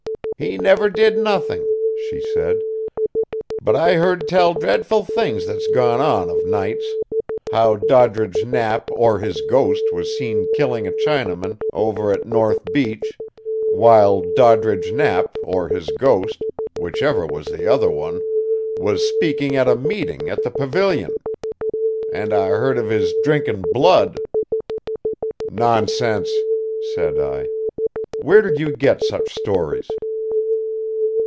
"He never did nothing," she said, "but I hearn tell dreadful things that's gone on of nights, how Doddridge Knapp or his ghost was seen killing a Chinaman over at North Beach, while Doddridge Knapp or his ghost, whichever was the other one, was speaking at a meeting, at the Pavilion. And I hearn of his drinkin' blood " "Nonsense!" said I; "where did you get such stories?"